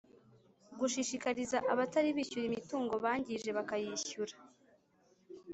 Gushishikariza abatari bishyura imitungo bangije bakayishyura